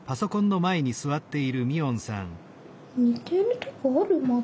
似てるところあるまあ